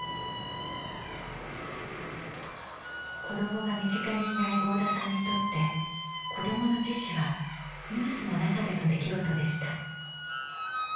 子供が身近にいない合田さんにとって子供の自死はニュースの中での出来事でした。